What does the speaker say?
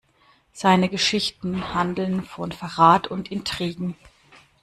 Seine Geschichten handelten von Verrat und Intrigen.